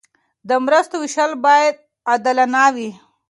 د مرستو ویشل باید عادلانه وي.